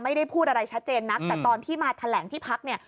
ไม่ได้พูดอะไรชัดเจนนักแต่ตอนที่มาแถลงที่พักเนี่ย